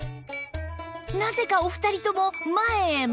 なぜかお二人とも前へ前へ